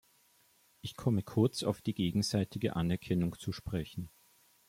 Ich komme kurz auf die gegenseitige Anerkennung zu sprechen.